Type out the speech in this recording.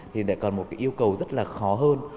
thì còn một yêu cầu rất là khó hơn